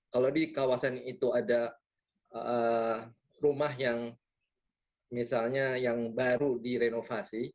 kalau di kawasan itu ada rumah yang misalnya yang baru direnovasi